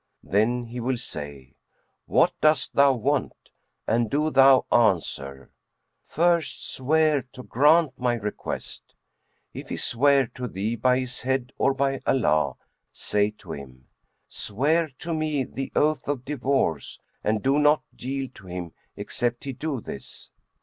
Then he will say, 'What dost thou want?'; and do thou answer, 'First swear to grant my request.' If he swear to thee by his head or by Allah, say to him, 'Swear to me the oath of divorce', and do not yield to him, except he do this.